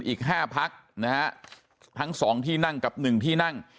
อีก๕พักนะฮะทั้งสองที่นั่งกับ๑ที่นั่ง